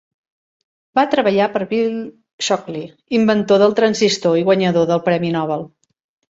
Va treballar per Bill Shockley, inventor del transistor i guanyador del Premi Nobel.